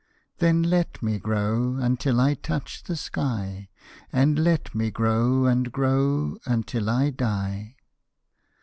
"Then let me grow, until I touch the sky, And let me grow and grow until I die!"